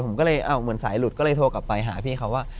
ผมก็เลยเหมือนสายหลุดก็เลยโทรกลับไปหาพี่เขาว่า